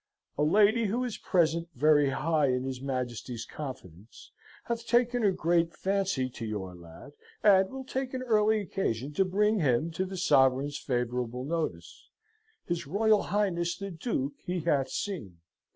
"A lady who is at present very high in his Majesty's confidence hath taken a great phancy to your ladd, and will take an early occasion to bring him to the Sovereign's favorable notice. His Royal Highness the Duke he hath seen.